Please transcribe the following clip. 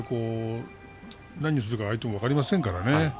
何をするか分かりませんからね。